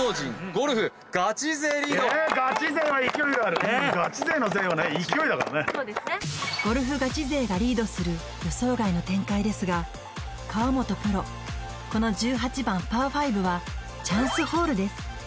ゴルフガチ勢がリードする予想外の展開ですが河本プロこの１８番パー５はチャンスホールです